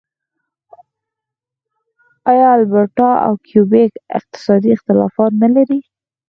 آیا البرټا او کیوبیک اقتصادي اختلافات نلري؟